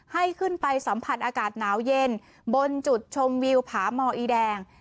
ให้ขึ้นไปสัมผัสอากาศหนาวเย็นบนจุดชมวิวผาหมออีแดง